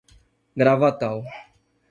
Gravatal